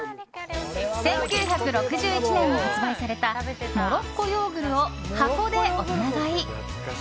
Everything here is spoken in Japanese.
１９６１年に発売されたモロッコヨーグルを箱で大人買い。